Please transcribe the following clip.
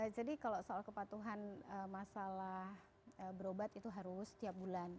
jadi kalau soal kepatuhan masalah berobat itu harus setiap bulan